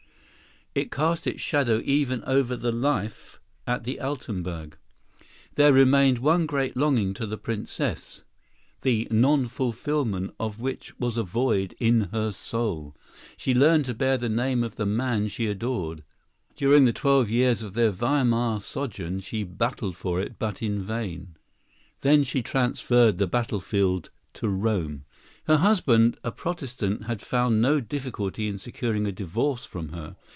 It cast its shadow even over the life at the Altenburg. There remained one great longing to the Princess, the nonfulfilment of which was as a void in her soul. She yearned to bear the name of the man she adored. During the twelve years of their Weimar sojourn she battled for it, but in vain. Then she transferred the battlefield to Rome. Her husband, a Protestant, had found no difficulty in securing a divorce from her.